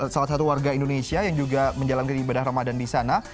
salah satu warga indonesia yang juga menjalankan ibadah ramadan di sana